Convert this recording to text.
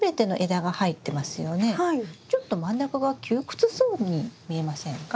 ちょっと真ん中が窮屈そうに見えませんか？